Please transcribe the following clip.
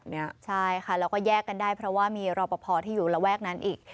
ลูกใจก็แยกกันได้เพราะว่ามีรอบพอที่อยู่ระแวกนั้นอีก